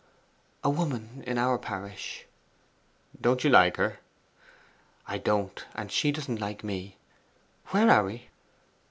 'A woman in our parish.' 'Don't you like her?' 'I don't. She doesn't like me. Where are we?